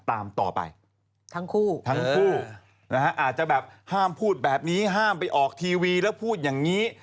อาจจะแบบห้ามพูดแบบนี้ห้ามไปออกทีวีแล้วพูดอย่างนี้